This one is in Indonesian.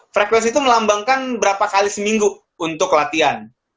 frekuensi itu melambangkan berapa kali seminggu untuk latihan